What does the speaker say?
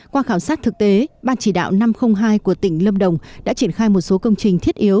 qua khảo sát thực tế ban chỉ đạo năm trăm linh hai của tỉnh lâm đồng đã triển khai một số công trình thiết yếu